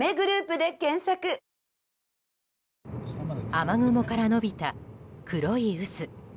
雨雲から伸びた黒い渦。